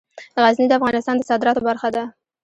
غزني د افغانستان د صادراتو برخه ده.